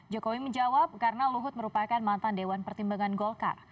jokowi menjawab karena luhut merupakan mantan dewan pertimbangan golkar